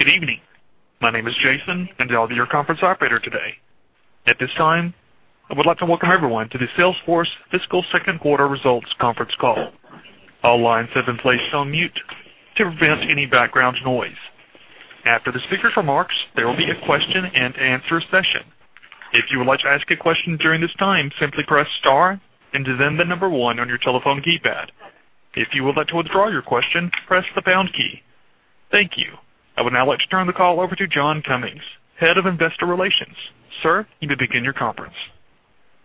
Good evening. My name is Jason, and I'll be your conference operator today. At this time, I would like to welcome everyone to the Salesforce Fiscal Second Quarter Results Conference Call. All lines have been placed on mute to prevent any background noise. After the speakers' remarks, there will be a question and answer session. If you would like to ask a question during this time, simply press star and then the number 1 on your telephone keypad. If you would like to withdraw your question, press the pound key. Thank you. I would now like to turn the call over to John Cummings, Head of Investor Relations. Sir, you may begin your conference.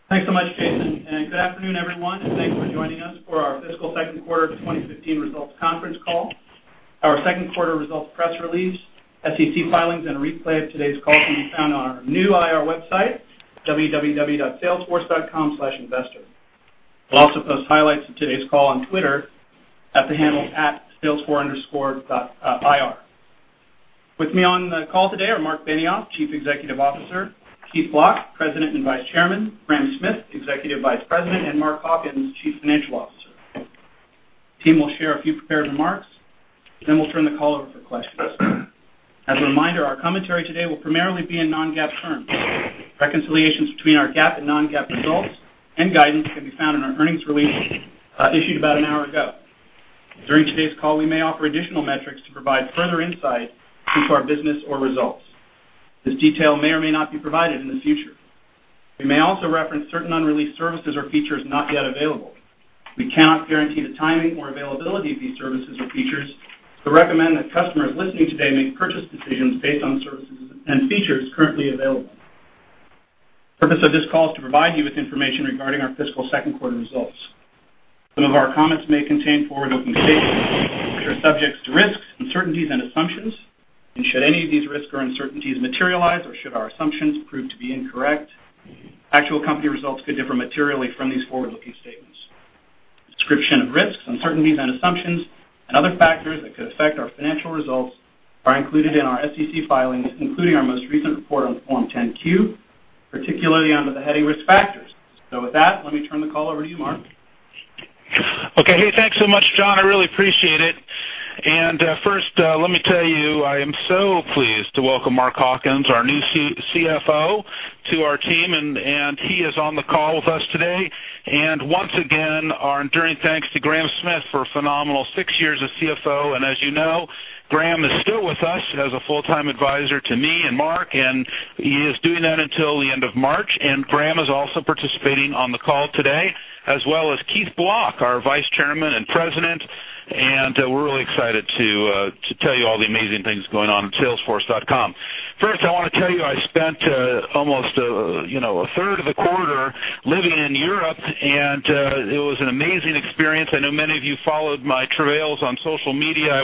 Thanks so much, Jason, and good afternoon, everyone, and thanks for joining us for our Fiscal Second Quarter 2015 Results Conference Call. Our second quarter results press release, SEC filings, and a replay of today's call can be found on our new IR website, www.salesforce.com/investor. We'll also post highlights of today's call on Twitter at the handle @salesforce_IR. With me on the call today are Marc Benioff, Chief Executive Officer, Keith Block, President and Vice Chairman, Graham Smith, Executive Vice President, and Mark Hawkins, Chief Financial Officer. The team will share a few prepared remarks, then we'll turn the call over for questions. As a reminder, our commentary today will primarily be in non-GAAP terms. Reconciliations between our GAAP and non-GAAP results and guidance can be found in our earnings release issued about an hour ago. During today's call, we may offer additional metrics to provide further insight into our business or results. This detail may or may not be provided in the future. We may also reference certain unreleased services or features not yet available. We cannot guarantee the timing or availability of these services or features, but recommend that customers listening today make purchase decisions based on services and features currently available. The purpose of this call is to provide you with information regarding our fiscal second quarter results. Some of our comments may contain forward-looking statements which are subject to risks, uncertainties, and assumptions, and should any of these risks or uncertainties materialize or should our assumptions prove to be incorrect, actual company results could differ materially from these forward-looking statements. Description of risks, uncertainties and assumptions and other factors that could affect our financial results are included in our SEC filings, including our most recent report on Form 10-Q, particularly under the heading Risk Factors. With that, let me turn the call over to you, Marc. Okay. Hey, thanks so much, John. I really appreciate it. First, let me tell you, I am so pleased to welcome Mark Hawkins, our new CFO, to our team. He is on the call with us today. Once again, our enduring thanks to Graham Smith for a phenomenal six years as CFO. As you know, Graham is still with us as a full-time advisor to me and Mark. He is doing that until the end of March. Graham is also participating on the call today, as well as Keith Block, our Vice Chairman and President. We're really excited to tell you all the amazing things going on at salesforce.com. First, I want to tell you, I spent almost a third of the quarter living in Europe. It was an amazing experience. I know many of you followed my travails on social media.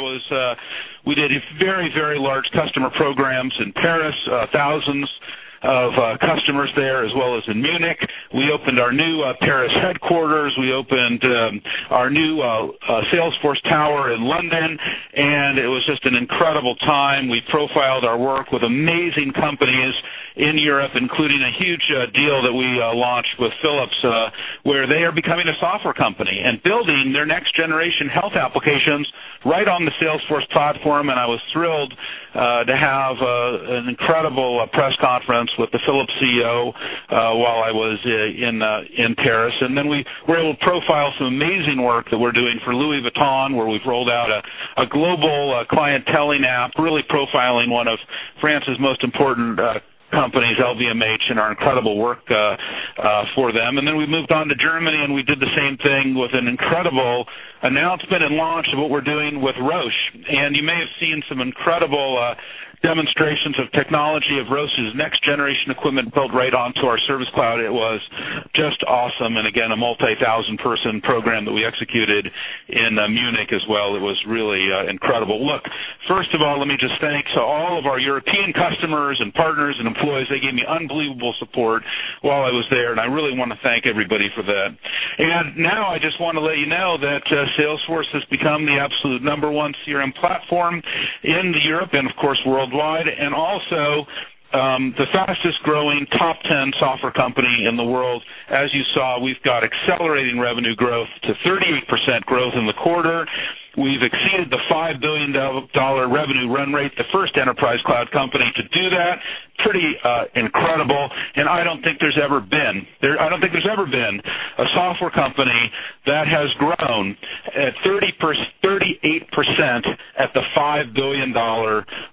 We did very large customer programs in Paris, thousands of customers there, as well as in Munich. We opened our new Paris headquarters. We opened our new Salesforce Tower in London. It was just an incredible time. We profiled our work with amazing companies in Europe, including a huge deal that we launched with Philips, where they are becoming a software company and building their next-generation health applications right on the Salesforce platform. I was thrilled to have an incredible press conference with the Philips CEO while I was in Paris. We were able to profile some amazing work that we're doing for Louis Vuitton, where we've rolled out a global clienteling app, really profiling one of France's most important companies, LVMH, and our incredible work for them. We moved on to Germany. We did the same thing with an incredible announcement and launch of what we're doing with Roche. You may have seen some incredible demonstrations of technology of Roche's next-generation equipment built right onto our Service Cloud. It was just awesome. Again, a multi-thousand-person program that we executed in Munich as well. It was really incredible. Look, first of all, let me just thank all of our European customers and partners and employees. They gave me unbelievable support while I was there. I really want to thank everybody for that. I just want to let you know that Salesforce has become the absolute number 1 CRM platform in Europe and of course, worldwide. Also the fastest-growing top 10 software company in the world. As you saw, we've got accelerating revenue growth to 38% growth in the quarter. We've exceeded the $5 billion revenue run rate, the first enterprise cloud company to do that. Pretty incredible. I don't think there's ever been a software company that has grown at 38% at the $5 billion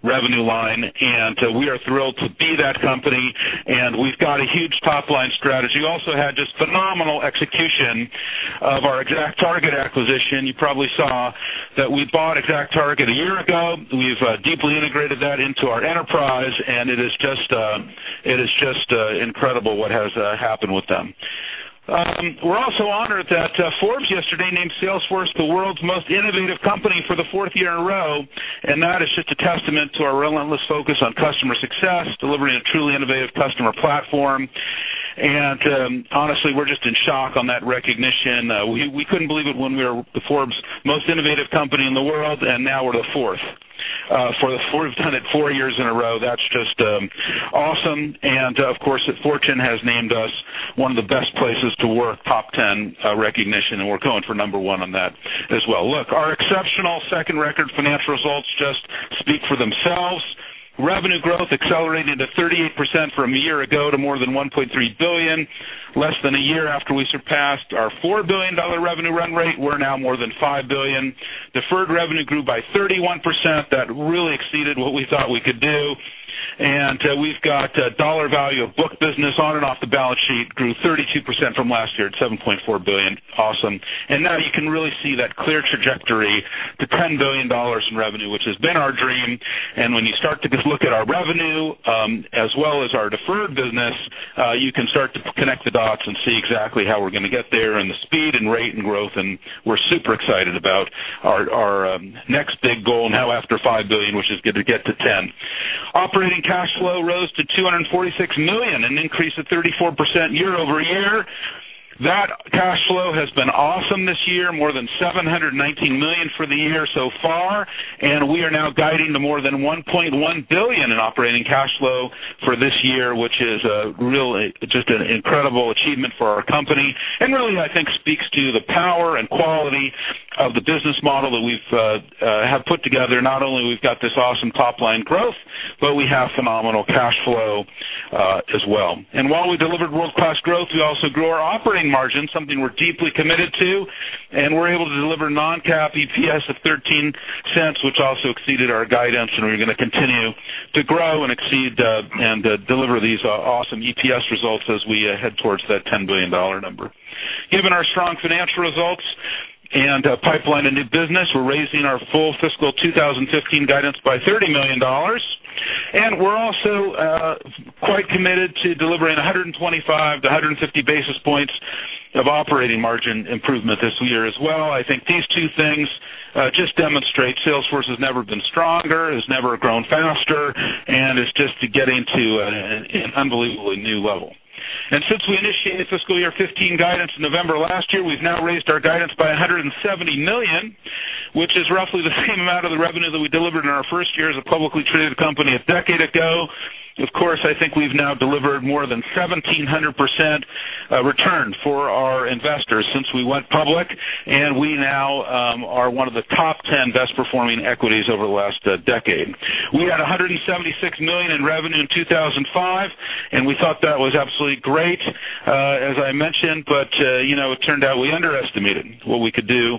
revenue line. We are thrilled to be that company. We've got a huge top-line strategy. Also had just phenomenal execution of our ExactTarget acquisition. You probably saw that we bought ExactTarget a year ago. We've deeply integrated that into our enterprise. It is just incredible what has happened with them. We're also honored that Forbes yesterday named Salesforce the world's most innovative company for the fourth year in a row. That is just a testament to our relentless focus on customer success, delivering a truly innovative customer platform. Honestly, we're just in shock on that recognition. We couldn't believe it when we were the Forbes Most Innovative Company in the World, now we're the fourth time in four years in a row, that's just awesome. Fortune has named us one of the best places to work, top 10 recognition, and we're going for number one on that as well. Look, our exceptional second record financial results just speak for themselves. Revenue growth accelerated to 38% from a year ago to more than $1.3 billion. Less than a year after we surpassed our $4 billion revenue run rate, we're now more than $5 billion. Deferred revenue grew by 31%. That really exceeded what we thought we could do. We've got dollar value of book business on and off the balance sheet, grew 32% from last year at $7.4 billion. Awesome. Now you can really see that clear trajectory to $10 billion in revenue, which has been our dream. When you start to just look at our revenue, as well as our deferred business, you can start to connect the dots and see exactly how we're going to get there and the speed and rate and growth. We're super excited about our next big goal now after $5 billion, which is going to get to 10. Operating cash flow rose to $246 million, an increase of 34% year-over-year. That cash flow has been awesome this year, more than $719 million for the year so far, and we are now guiding to more than $1.1 billion in operating cash flow for this year, which is really just an incredible achievement for our company and really, I think, speaks to the power and quality of the business model that we have put together. Not only we've got this awesome top-line growth, but we have phenomenal cash flow as well. While we delivered world-class growth, we also grew our operating margin, something we're deeply committed to, and we're able to deliver non-GAAP EPS of $0.13, which also exceeded our guidance, and we're going to continue to grow and exceed and deliver these awesome EPS results as we head towards that $10 billion number. Given our strong financial results and pipeline of new business, we're raising our full fiscal 2015 guidance by $30 million. We're also quite committed to delivering 125 to 150 basis points of operating margin improvement this year as well. I think these two things just demonstrate Salesforce has never been stronger, has never grown faster, and it's just getting to an unbelievably new level. Since we initiated fiscal year 2015 guidance in November last year, we've now raised our guidance by $170 million, which is roughly the same amount of the revenue that we delivered in our first year as a publicly traded company a decade ago. Of course, I think we've now delivered more than 1,700% return for our investors since we went public, and we now are one of the top 10 best-performing equities over the last decade. We had $176 million in revenue in 2005, we thought that was absolutely great, as I mentioned, but it turned out we underestimated what we could do.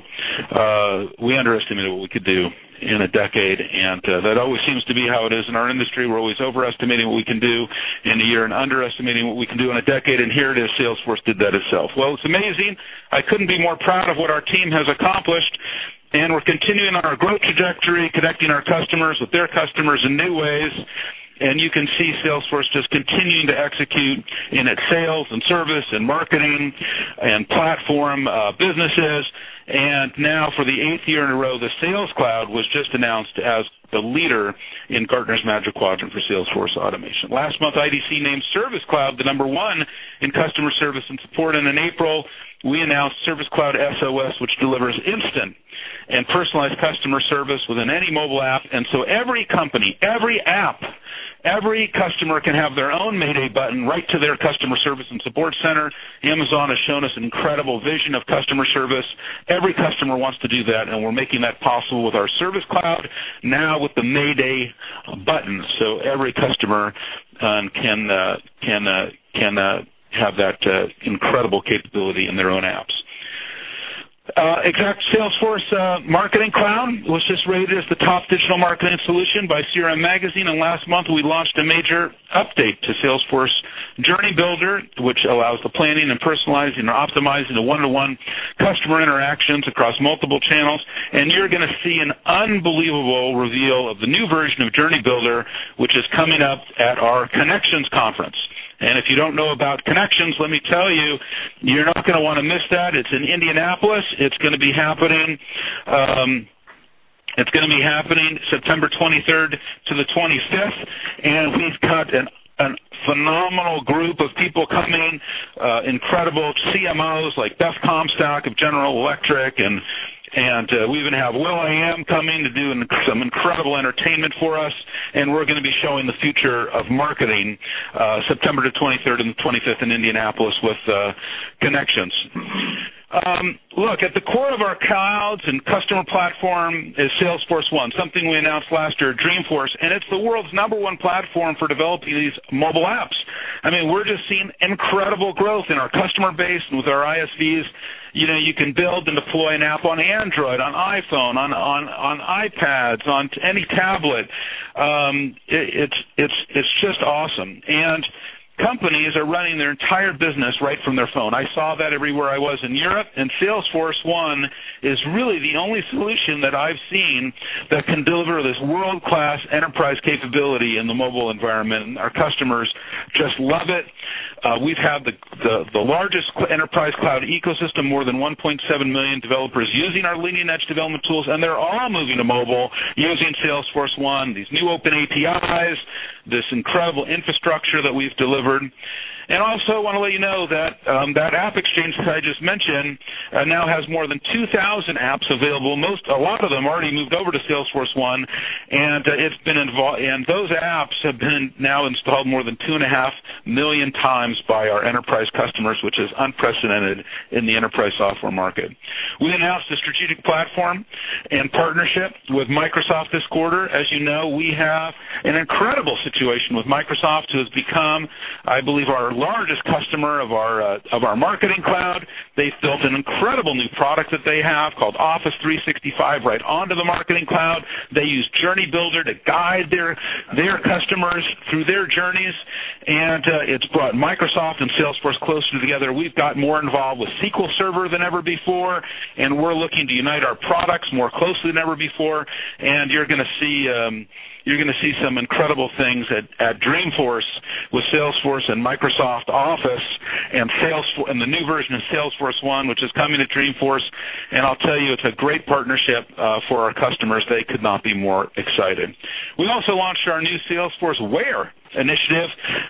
We underestimated what we could do in a decade, that always seems to be how it is in our industry. We're always overestimating what we can do in a year and underestimating what we can do in a decade, here it is, Salesforce did that itself. Well, it's amazing. I couldn't be more proud of what our team has accomplished, we're continuing on our growth trajectory, connecting our customers with their customers in new ways. You can see Salesforce just continuing to execute in its sales and service and marketing and platform businesses. Now, for the eighth year in a row, the Sales Cloud was just announced as the leader in Gartner's Magic Quadrant for Salesforce automation. Last month, IDC named Service Cloud the number one in customer service and support, in April, we announced Service Cloud SOS, which delivers instant and personalized customer service within any mobile app. Every company, every app, every customer can have their own Mayday button right to their customer service and support center. Amazon has shown us incredible vision of customer service. Every customer wants to do that, we're making that possible with our Service Cloud, now with the Mayday button, so every customer can have that incredible capability in their own apps. ExactTarget Salesforce Marketing Cloud was just rated as the top digital marketing solution by CRM Magazine, last month, we launched a major update to Salesforce Journey Builder, which allows the planning and personalizing or optimizing the one-to-one customer interactions across multiple channels. You're going to see an unbelievable reveal of the new version of Journey Builder, which is coming up at our Connections conference. If you don't know about Connections, let me tell you're not going to want to miss that. It's in Indianapolis. It's going to be happening September 23rd to the 25th, we've got a phenomenal group of people coming in, incredible CMOs like Beth Comstock of General Electric, we even have will.i.am coming to do some incredible entertainment for us, we're going to be showing the future of marketing September the 23rd and 25th in Indianapolis with Connections. Look, at the core of our clouds and customer platform is Salesforce1, something we announced last year at Dreamforce, it's the world's number one platform for developing these mobile apps. I mean, we're just seeing incredible growth in our customer base and with our ISVs. You can build and deploy an app on Android, on iPhone, on iPads, onto any tablet. It's just awesome. Companies are running their entire business right from their phone. I saw that everywhere I was in Europe, Salesforce1 is really the only solution that I've seen that can deliver this world-class enterprise capability in the mobile environment, our customers just love it. We have the largest enterprise cloud ecosystem, more than 1.7 million developers using our leading-edge development tools, they're all moving to mobile using Salesforce1, these new open APIs, this incredible infrastructure that we've delivered. Also want to let you know that that AppExchange that I just mentioned now has more than 2,000 apps available. A lot of them already moved over to Salesforce1. Those apps have been now installed more than 2.5 million times by our enterprise customers, which is unprecedented in the enterprise software market. We announced a strategic platform and partnership with Microsoft this quarter. As you know, we have an incredible situation with Microsoft, who has become, I believe, our largest customer of our Marketing Cloud. They've built an incredible new product that they have called Office 365 right onto the Marketing Cloud. They use Journey Builder to guide their customers through their journeys, and it's brought Microsoft and Salesforce closer together. We've got more involved with SQL Server than ever before. We're looking to unite our products more closely than ever before. You're going to see some incredible things at Dreamforce with Salesforce and Microsoft Office and the new version of Salesforce1, which is coming to Dreamforce. I'll tell you, it's a great partnership for our customers. They could not be more excited. We also launched our new Salesforce Wear initiative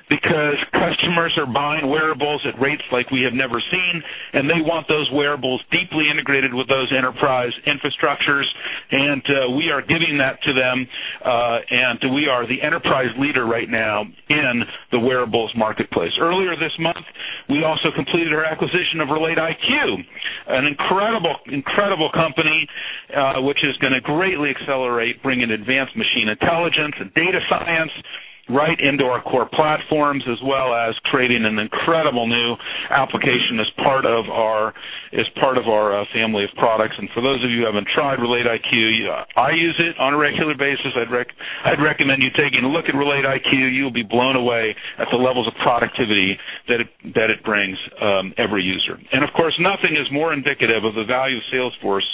because customers are buying wearables at rates like we have never seen, and they want those wearables deeply integrated with those enterprise infrastructures, and we are giving that to them. We are the enterprise leader right now in the wearables marketplace. Earlier this month, we also completed our acquisition of RelateIQ, an incredible company which is going to greatly accelerate bringing advanced machine intelligence and data science right into our core platforms, as well as creating an incredible new application as part of our family of products. For those of you who haven't tried RelateIQ, I use it on a regular basis. I'd recommend you taking a look at RelateIQ. You'll be blown away at the levels of productivity that it brings every user. Of course, nothing is more indicative of the value of Salesforce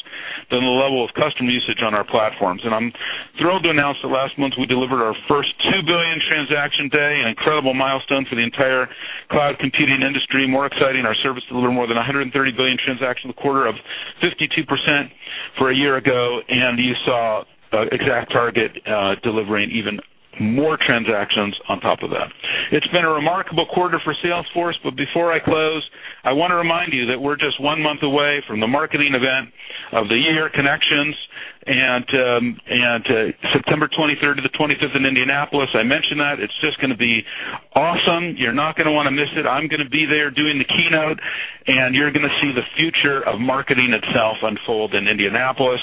than the level of custom usage on our platforms. I'm thrilled to announce that last month, we delivered our first 2 billion transaction day, an incredible milestone for the entire cloud computing industry. More exciting, our service delivered more than 130 billion transactions a quarter of 52% for a year ago, and you saw ExactTarget delivering even more transactions on top of that. It's been a remarkable quarter for Salesforce, but before I close, I want to remind you that we're just one month away from the marketing event of the year, Connections, and September 23rd to the 25th in Indianapolis. I mentioned that. It's just going to be awesome. You're not going to want to miss it. I'm going to be there doing the keynote, and you're going to see the future of marketing itself unfold in Indianapolis.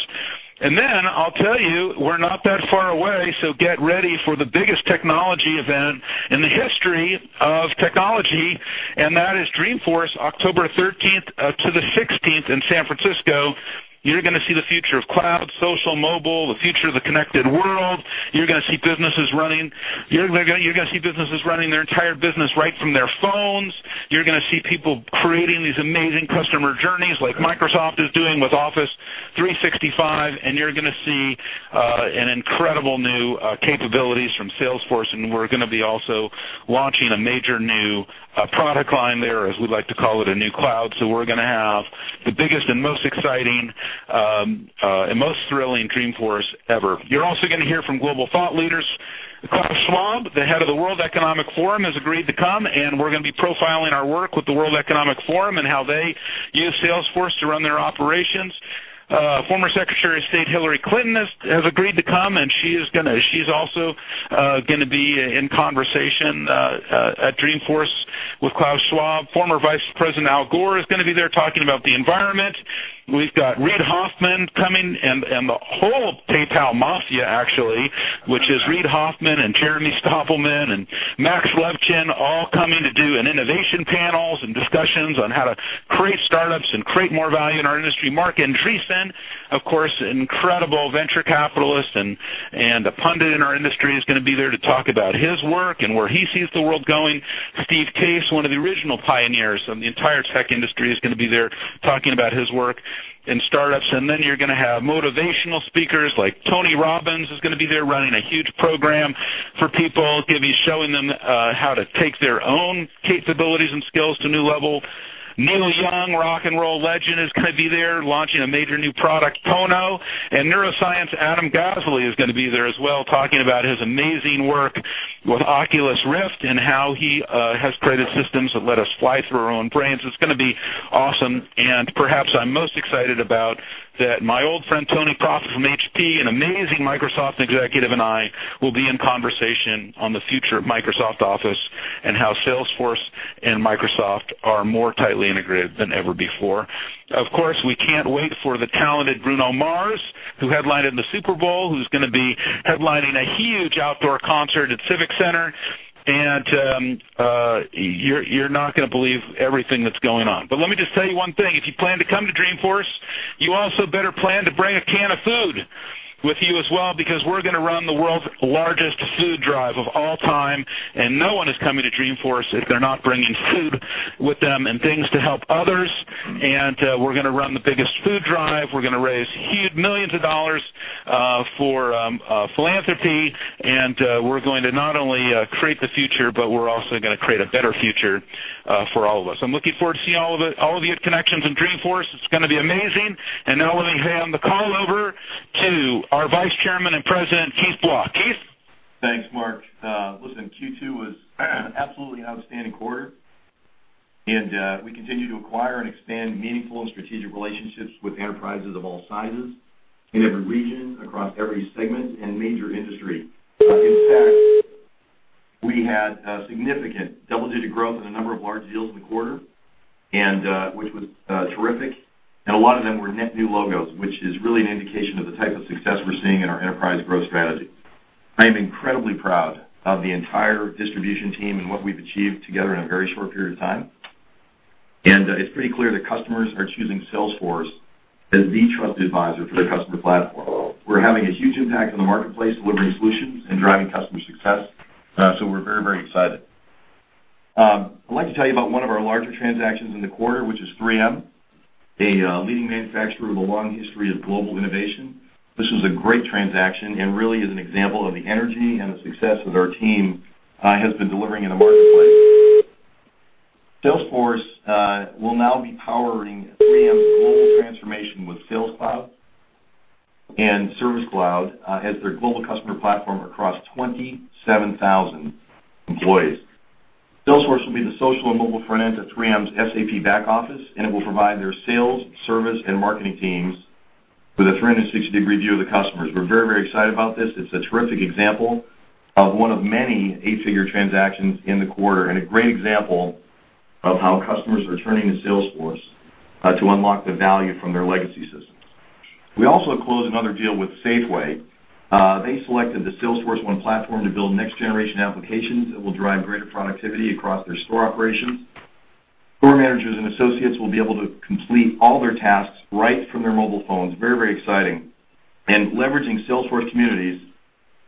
Then I'll tell you, we're not that far away, so get ready for the biggest technology event in the history of technology, that is Dreamforce, October 13th to the 16th in San Francisco. You're going to see the future of cloud, social, mobile, the future of the connected world. You're going to see businesses running their entire business right from their phones. You're going to see people creating these amazing customer journeys like Microsoft is doing with Office 365. You're going to see an incredible new capabilities from Salesforce. We're going to be also launching a major new product line there, as we like to call it, a new cloud. We're going to have the biggest and most exciting and most thrilling Dreamforce ever. You're also going to hear from global thought leaders. Klaus Schwab, the head of the World Economic Forum, has agreed to come. We're going to be profiling our work with the World Economic Forum and how they use Salesforce to run their operations. Former Secretary of State Hillary Clinton has agreed to come. She's also going to be in conversation at Dreamforce with Klaus Schwab. Former Vice President Al Gore is going to be there talking about the environment. We've got Reid Hoffman coming and the whole PayPal mafia actually, which is Reid Hoffman and Jeremy Stoppelman and Max Levchin all coming to do an innovation panels and discussions on how to create startups and create more value in our industry. Marc Andreessen, of course, incredible venture capitalist and a pundit in our industry, is going to be there to talk about his work and where he sees the world going. Steve Case, one of the original pioneers of the entire tech industry, is going to be there talking about his work in startups. Then you're going to have motivational speakers like Tony Robbins is going to be there running a huge program for people. He's going to be showing them how to take their own capabilities and skills to a new level. Neil Young, rock and roll legend, is going to be there launching a major new product, Pono. Neuroscience, Adam Gazzaley, is going to be there as well, talking about his amazing work with Oculus Rift and how he has created systems that let us fly through our own brains. It's going to be awesome. Perhaps I'm most excited about that my old friend Tony Prophet from HP, an amazing Microsoft executive, and I will be in conversation on the future of Microsoft Office and how Salesforce and Microsoft are more tightly integrated than ever before. Of course, we can't wait for the talented Bruno Mars, who headlined in the Super Bowl, who's going to be headlining a huge outdoor concert at Civic Center. You're not going to believe everything that's going on. Let me just tell you one thing. If you plan to come to Dreamforce, you also better plan to bring a can of food with you as well, because we're going to run the world's largest food drive of all time. No one is coming to Dreamforce if they're not bringing food with them and things to help others. We're going to run the biggest food drive. We're going to raise huge $ millions for philanthropy. We're going to not only create the future, but we're also going to create a better future for all of us. I'm looking forward to seeing all of you at Connections and Dreamforce. It's going to be amazing. Now let me hand the call over to our Vice Chairman and President, Keith Block. Keith? Thanks, Marc. Listen, Q2 was an absolutely outstanding quarter. We continue to acquire and expand meaningful and strategic relationships with enterprises of all sizes in every region, across every segment and major industry. In fact, we had a significant double-digit growth in a number of large deals in the quarter, which was terrific. A lot of them were net new logos, which is really an indication of the type of success we're seeing in our enterprise growth strategy. I am incredibly proud of the entire distribution team and what we've achieved together in a very short period of time. It's pretty clear that customers are choosing Salesforce as the trusted advisor for their customer platform. We're having a huge impact on the marketplace, delivering solutions and driving customer success. We're very excited. I'd like to tell you about one of our larger transactions in the quarter, which is 3M, a leading manufacturer with a long history of global innovation. This was a great transaction and really is an example of the energy and the success that our team has been delivering in the marketplace. Salesforce will now be powering 3M's global transformation with Sales Cloud and Service Cloud as their global customer platform across 27,000 employees. Salesforce will be the social and mobile front end to 3M's SAP back office, and it will provide their sales, service, and marketing teams with a 360-degree view of the customers. We're very excited about this. It's a terrific example of one of many eight-figure transactions in the quarter, and a great example of how customers are turning to Salesforce to unlock the value from their legacy systems. We also closed another deal with Safeway. They selected the Salesforce1 Platform to build next-generation applications that will drive greater productivity across their store operations. Store managers and associates will be able to complete all their tasks right from their mobile phones. Very exciting. Leveraging Salesforce Communities,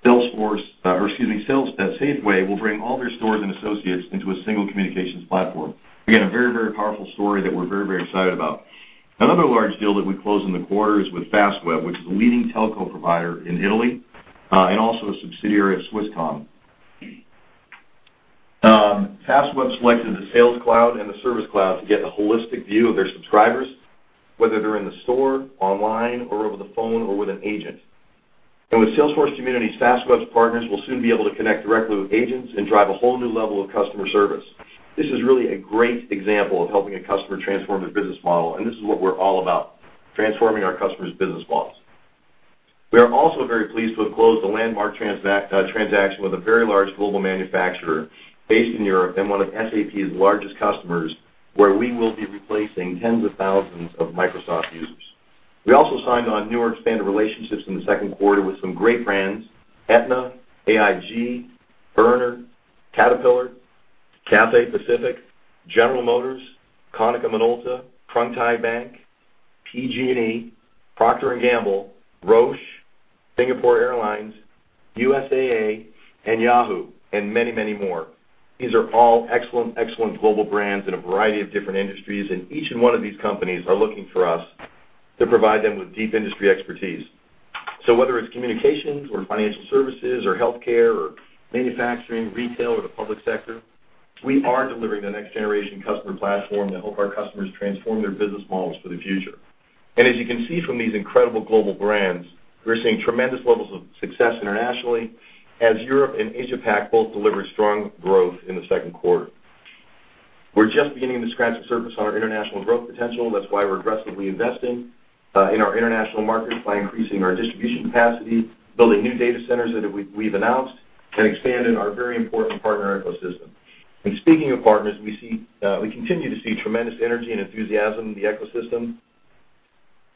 Safeway will bring all their stores and associates into a single communications platform. Again, a very powerful story that we're very excited about. Another large deal that we closed in the quarter is with Fastweb, which is the leading telco provider in Italy, and also a subsidiary of Swisscom. Fastweb selected the Sales Cloud and the Service Cloud to get a holistic view of their subscribers, whether they're in the store, online, or over the phone, or with an agent. With Salesforce Community, Fastweb's partners will soon be able to connect directly with agents and drive a whole new level of customer service. This is really a great example of helping a customer transform their business model, and this is what we're all about, transforming our customers' business models. We are also very pleased to have closed a landmark transaction with a very large global manufacturer based in Europe and one of SAP's largest customers, where we will be replacing tens of thousands of Microsoft users. We also signed on newer expanded relationships in the second quarter with some great brands, Aetna, AIG, Werner, Caterpillar, Cathay Pacific, General Motors, Konica Minolta, Krung Thai Bank, PG&E, Procter & Gamble, Roche, Singapore Airlines, USAA, and Yahoo. Many more. These are all excellent global brands in a variety of different industries. Each one of these companies are looking for us to provide them with deep industry expertise. Whether it's communications or financial services or healthcare or manufacturing, retail, or the public sector, we are delivering the next-generation customer platform to help our customers transform their business models for the future. As you can see from these incredible global brands, we're seeing tremendous levels of success internationally, as Europe and Asia-Pac both delivered strong growth in the second quarter. We're just beginning to scratch the surface on our international growth potential. That's why we're aggressively investing in our international markets by increasing our distribution capacity, building new data centers that we've announced, and expanding our very important partner ecosystem. Speaking of partners, we continue to see tremendous energy and enthusiasm in the ecosystem.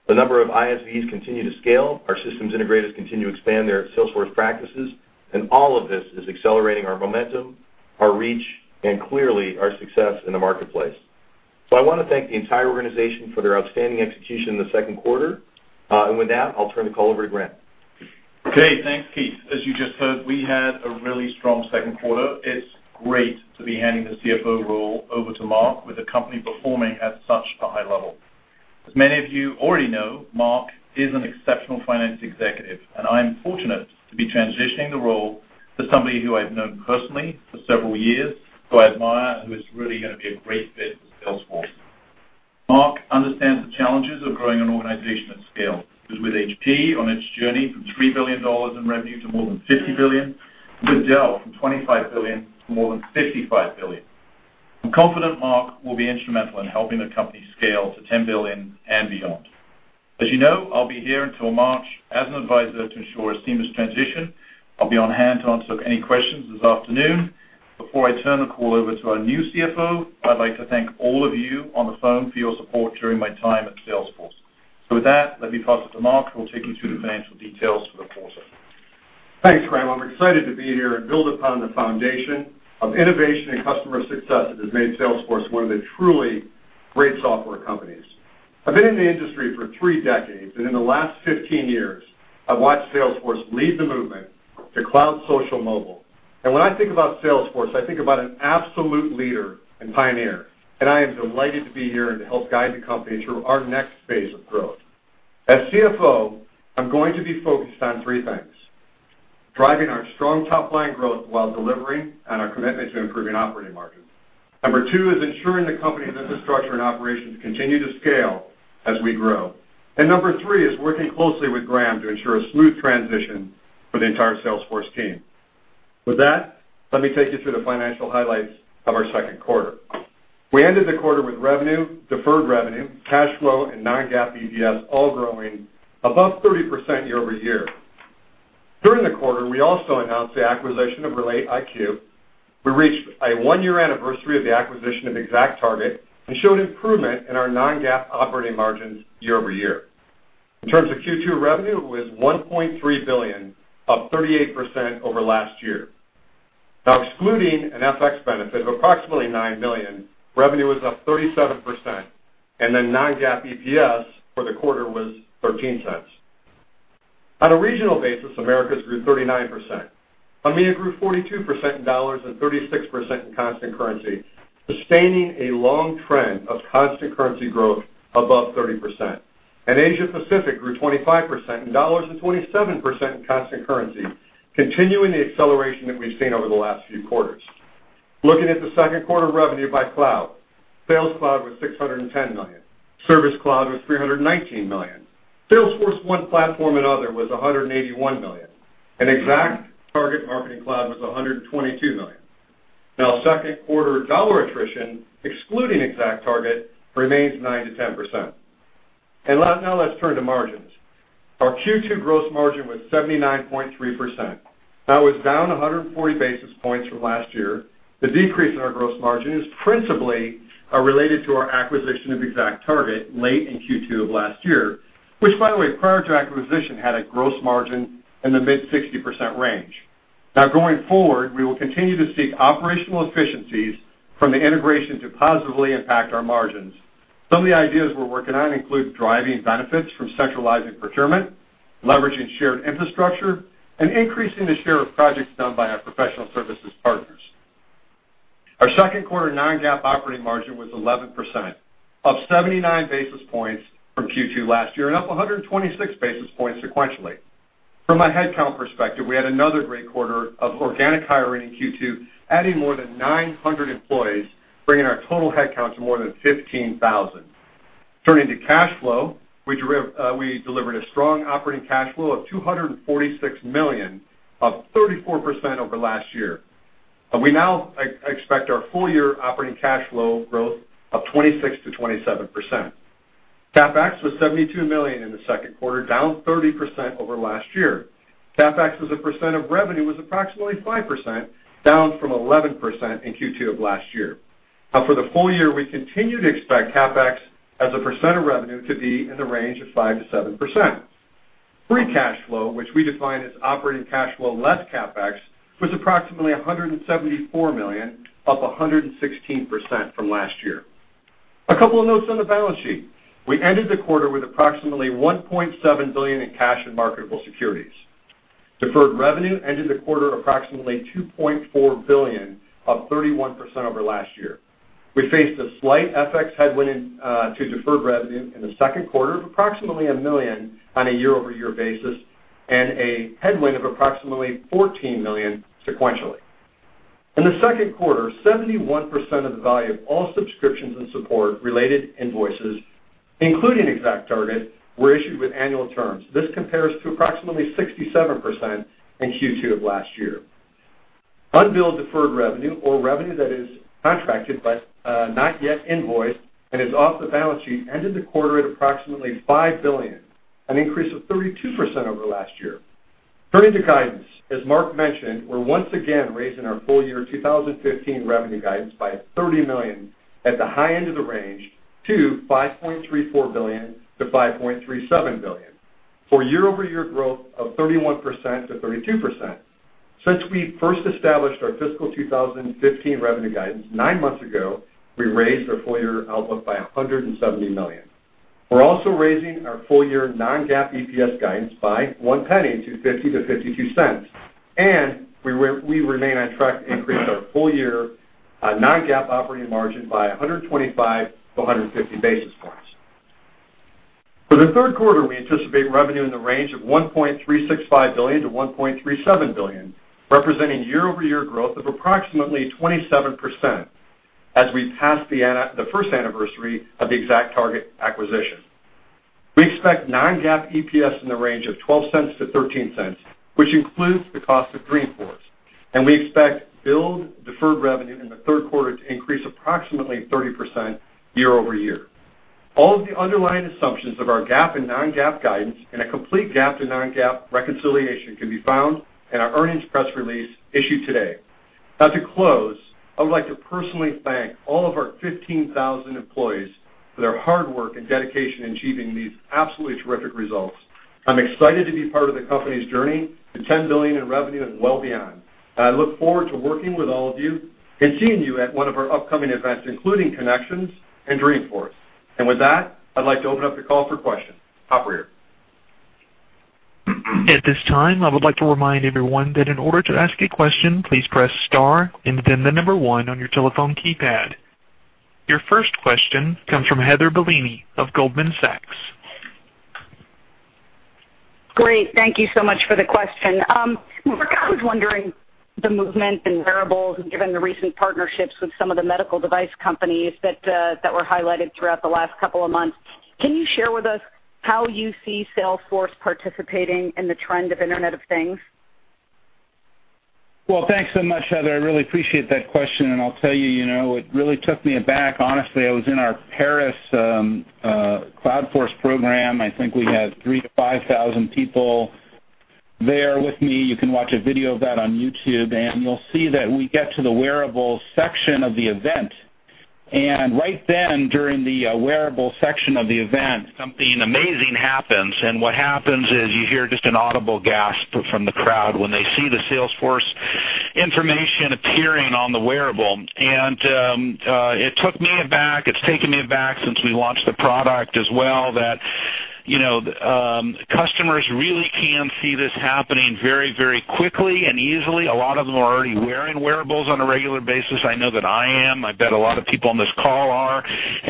The number of ISVs continue to scale, our Systems Integrators continue to expand their Salesforce practices, and all of this is accelerating our momentum, our reach, and clearly, our success in the marketplace. I want to thank the entire organization for their outstanding execution in the second quarter. With that, I'll turn the call over to Graham. Great. Thanks, Keith. As you just heard, we had a really strong second quarter. It's great to be handing the CFO role over to Marc with the company performing at such a high level. As many of you already know, Marc is an exceptional finance executive, and I'm fortunate to be transitioning the role to somebody who I've known personally for several years, who I admire, and who is really going to be a great fit for Salesforce. Marc understands the challenges of growing an organization at scale. He was with HP on its journey from $3 billion in revenue to more than $50 billion, with Dell from $25 billion to more than $55 billion. I'm confident Marc will be instrumental in helping the company scale to $10 billion and beyond. As you know, I'll be here until March as an advisor to ensure a seamless transition. I'll be on hand to answer any questions this afternoon. Before I turn the call over to our new CFO, I'd like to thank all of you on the phone for your support during my time at Salesforce. With that, let me pass it to Marc, who will take you through the financial details for the quarter. Thanks, Graham. I'm excited to be here and build upon the foundation of innovation and customer success that has made Salesforce one of the truly great software companies. I've been in the industry for three decades, in the last 15 years, I've watched Salesforce lead the movement to cloud social mobile. When I think about Salesforce, I think about an absolute leader and pioneer, and I am delighted to be here and to help guide the company through our next phase of growth. As CFO, I'm going to be focused on three things, driving our strong top-line growth while delivering on our commitment to improving operating margin. Number two is ensuring the company's infrastructure and operations continue to scale as we grow. Number three is working closely with Graham to ensure a smooth transition for the entire Salesforce team. With that, let me take you through the financial highlights of our second quarter. We ended the quarter with revenue, deferred revenue, cash flow, and non-GAAP EPS all growing above 30% year-over-year. During the quarter, we also announced the acquisition of RelateIQ. We reached a one-year anniversary of the acquisition of ExactTarget, and showed improvement in our non-GAAP operating margins year-over-year. In terms of Q2 revenue, it was $1.3 billion, up 38% over last year. Excluding an FX benefit of approximately $9 million, revenue was up 37%. Non-GAAP EPS for the quarter was $0.13. On a regional basis, Americas grew 39%. EMEA grew 42% in dollars and 36% in constant currency, sustaining a long trend of constant currency growth above 30%. Asia Pacific grew 25% in dollars and 27% in constant currency, continuing the acceleration that we've seen over the last few quarters. Looking at the second quarter revenue by cloud. Sales Cloud was $610 million. Service Cloud was $319 million. Salesforce1 Platform and other was $181 million. ExactTarget Marketing Cloud was $122 million. Second quarter dollar attrition, excluding ExactTarget, remains 9%-10%. Let's turn to margins. Our Q2 gross margin was 79.3%. That was down 140 basis points from last year. The decrease in our gross margin is principally related to our acquisition of ExactTarget late in Q2 of last year, which, by the way, prior to acquisition, had a gross margin in the mid-60% range. Going forward, we will continue to seek operational efficiencies from the integration to positively impact our margins. Some of the ideas we're working on include driving benefits from centralizing procurement, leveraging shared infrastructure, and increasing the share of projects done by our professional services partners. Our second quarter non-GAAP operating margin was 11%, up 79 basis points from Q2 last year and up 126 basis points sequentially. From a headcount perspective, we had another great quarter of organic hiring in Q2, adding more than 900 employees, bringing our total headcount to more than 15,000. Turning to cash flow, we delivered a strong operating cash flow of $246 million, up 34% over last year. We now expect our full-year operating cash flow growth of 26%-27%. CapEx was $72 million in the second quarter, down 30% over last year. CapEx as a percent of revenue was approximately 5%, down from 11% in Q2 of last year. For the full year, we continue to expect CapEx as a percent of revenue to be in the range of 5%-7%. Free cash flow, which we define as operating cash flow less CapEx, was approximately $174 million, up 116% from last year. A couple of notes on the balance sheet. We ended the quarter with approximately $1.7 billion in cash and marketable securities. Deferred revenue ended the quarter approximately $2.4 billion, up 31% over last year. We faced a slight FX headwind to deferred revenue in the second quarter of approximately $1 million on a year-over-year basis and a headwind of approximately $14 million sequentially. In the second quarter, 71% of the value of all subscriptions and support-related invoices, including ExactTarget, were issued with annual terms. This compares to approximately 67% in Q2 of last year. Unbilled deferred revenue or revenue that is contracted but not yet invoiced and is off the balance sheet, ended the quarter at approximately $5 billion, an increase of 32% over last year. Turning to guidance, as Marc mentioned, we are once again raising our full year 2015 revenue guidance by $30 million at the high end of the range to $5.34 billion-$5.37 billion, for year-over-year growth of 31%-32%. Since we first established our fiscal 2015 revenue guidance nine months ago, we raised our full-year outlook by $170 million. We are also raising our full-year non-GAAP EPS guidance by $0.01 to $0.50-$0.52, and we remain on track to increase our full-year non-GAAP operating margin by 125-150 basis points. For the third quarter, we anticipate revenue in the range of $1.365 billion-$1.37 billion, representing year-over-year growth of approximately 27% as we pass the first anniversary of the ExactTarget acquisition. We expect non-GAAP EPS in the range of $0.12-$0.13, which includes the cost of Dreamforce, and we expect billed deferred revenue in the third quarter to increase approximately 30% year-over-year. All of the underlying assumptions of our GAAP and non-GAAP guidance and a complete GAAP to non-GAAP reconciliation can be found in our earnings press release issued today. To close, I would like to personally thank all of our 15,000 employees for their hard work and dedication in achieving these absolutely terrific results. I am excited to be part of the company's journey to $10 billion in revenue and well beyond. I look forward to working with all of you and seeing you at one of our upcoming events, including Connections and Dreamforce. With that, I'd like to open up the call for questions. Operator? At this time, I would like to remind everyone that in order to ask a question, please press star and then the number one on your telephone keypad. Your first question comes from Heather Bellini of Goldman Sachs. Great. Thank you so much for the question. Marc, I was wondering the movement in wearables, given the recent partnerships with some of the medical device companies that were highlighted throughout the last couple of months, can you share with us how you see Salesforce participating in the trend of Internet of Things? Thanks so much, Heather. I really appreciate that question. I'll tell you, it really took me aback. Honestly, I was in our Paris Cloudforce program. I think we had 3,000 to 5,000 people there with me. You can watch a video of that on YouTube, you'll see that we get to the wearables section of the event. Right then, during the wearables section of the event, something amazing happens. What happens is you hear just an audible gasp from the crowd when they see the Salesforce information appearing on the wearable, it took me aback. It's taken me aback since we launched the product as well that customers really can see this happening very quickly and easily. A lot of them are already wearing wearables on a regular basis. I know that I am. I bet a lot of people on this call are.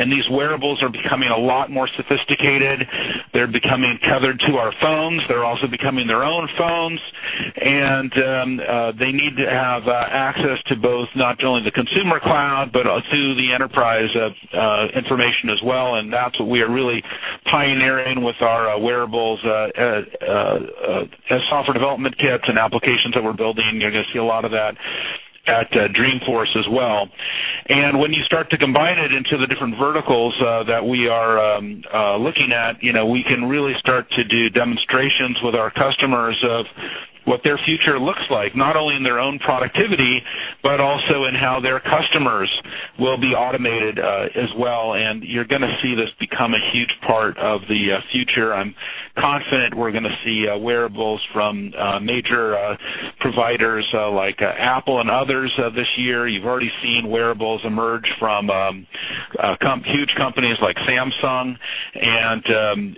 These wearables are becoming a lot more sophisticated. They're becoming tethered to our phones. They're also becoming their own phones, they need to have access to both, not only the consumer cloud, but to the enterprise information as well, and that's what we are really pioneering with our wearables, software development kits, and applications that we're building. You're going to see a lot of that at Dreamforce as well. When you start to combine it into the different verticals that we are looking at, we can really start to do demonstrations with our customers of what their future looks like, not only in their own productivity, but also in how their customers will be automated as well. You're going to see this become a huge part of the future. I'm confident we're going to see wearables from major providers like Apple and others this year. You've already seen wearables emerge from huge companies like Samsung, and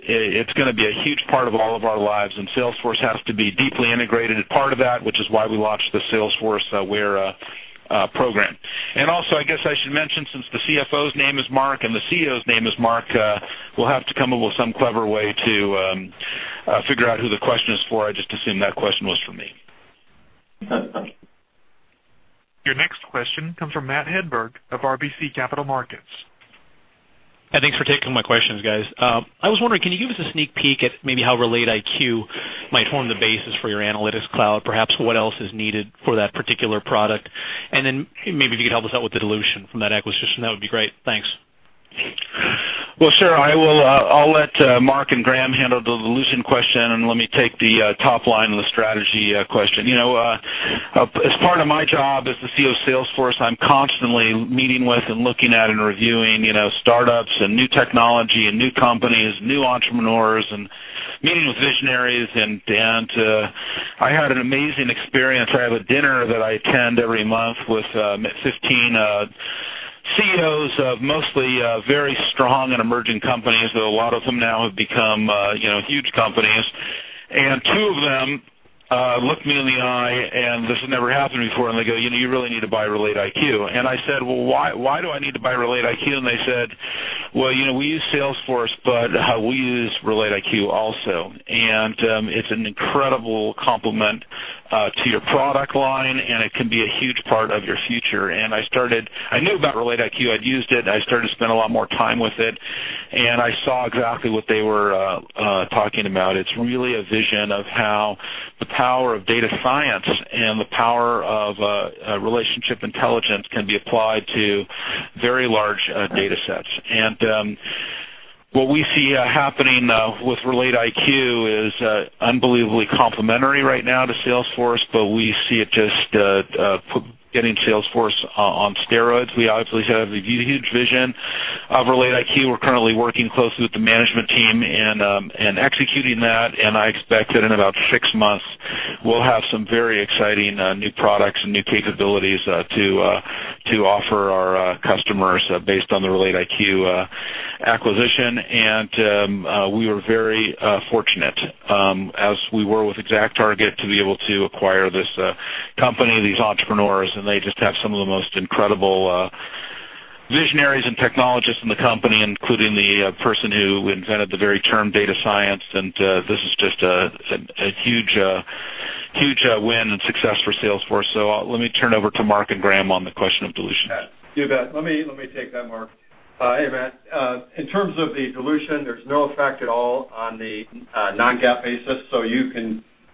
it's going to be a huge part of all of our lives, and Salesforce has to be deeply integrated as part of that, which is why we launched the Salesforce Wear program. Also, I guess I should mention, since the CFO's name is Marc, and the CEO's name is Marc, we'll have to come up with some clever way to figure out who the question is for. I just assumed that question was for me. Your next question comes from Matt Hedberg of RBC Capital Markets. Thanks for taking my questions, guys. I was wondering, can you give us a sneak peek at maybe how RelateIQ might form the basis for your Analytics Cloud? Perhaps what else is needed for that particular product? And then maybe if you could help us out with the dilution from that acquisition, that would be great. Thanks. Well, sure. I'll let Marc and Graham handle the dilution question, and let me take the top line on the strategy question. As part of my job as the CEO of Salesforce, I'm constantly meeting with, and looking at, and reviewing startups and new technology, and new companies, new entrepreneurs, and meeting with visionaries. I had an amazing experience. I have a dinner that I attend every month with 15 CEOs of mostly very strong and emerging companies, though a lot of them now have become huge companies. Two of them looked me in the eye. This has never happened before. They go, "You really need to buy RelateIQ." I said, "Well, why do I need to buy RelateIQ?" They said, "Well, we use Salesforce, but we use RelateIQ also, and it's an incredible complement to your product line, and it can be a huge part of your future." I knew about RelateIQ. I'd used it. I started to spend a lot more time with it. I saw exactly what they were talking about. It's really a vision of how the power of data science and the power of relationship intelligence can be applied to very large data sets. What we see happening with RelateIQ is unbelievably complementary right now to Salesforce, but we see it just getting Salesforce on steroids. We obviously have a huge vision of RelateIQ. We're currently working closely with the management team and executing that. I expect that in about six months, we'll have some very exciting new products and new capabilities to offer our customers based on the RelateIQ acquisition. We were very fortunate as we were with ExactTarget, to be able to acquire this company, these entrepreneurs. They just have some of the most incredible visionaries and technologists in the company, including the person who invented the very term data science. This is just a huge win and success for Salesforce. Let me turn over to Marc and Graham on the question of dilution. You bet. Let me take that, Marc. Hey, Matt. In terms of the dilution, there's no effect at all on the non-GAAP basis.